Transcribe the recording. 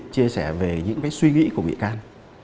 chia sẻ về những suy nghĩ của bị can